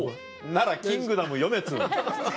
なら『キングダム』読めっつうの。